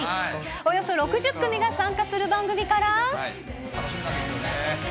およそ６０組が参加する番組から。